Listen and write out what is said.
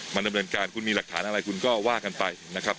ดำเนินการคุณมีหลักฐานอะไรคุณก็ว่ากันไปนะครับ